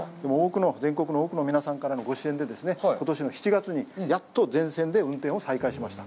全国の多くの皆さんからのご支援で、ことしの７月にやっと全線で運転を再開しました。